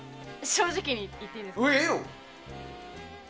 正直に言っていいですか。